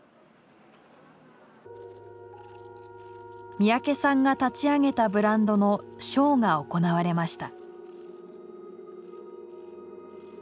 三宅さんが立ち上げたブランドのショーが行われました。